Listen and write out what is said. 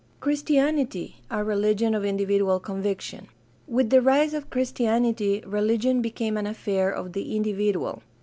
Christianity a religion of individual conviction. — With the rise of Christianity religion became an affair of the individ ual.